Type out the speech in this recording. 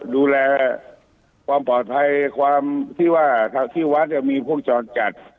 ดูแลความปลอดภัยที่วัดมีพวกจอดจัด